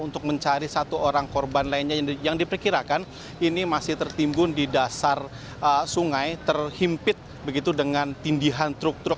untuk mencari satu orang korban lainnya yang diperkirakan ini masih tertimbun di dasar sungai terhimpit begitu dengan tindihan truk truk